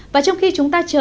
và trong khi chúng ta chờ